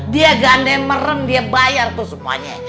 dia gandeng mereng dia bayar tuh semuanya